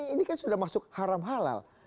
ini kan sudah masuk haram halal